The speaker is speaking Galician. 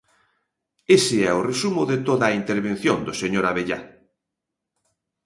Ese é o resumo de toda a intervención do señor Abellá.